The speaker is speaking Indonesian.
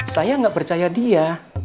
saya gak percaya dia